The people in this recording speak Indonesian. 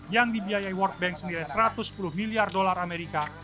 yang dibiayai world bank senilai satu ratus sepuluh miliar dolar amerika